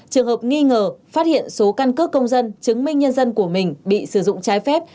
trường hợp nghi ngờ phát hiện số căn cước công dân chứng minh nhân dân của mình bị sử dụng trái phép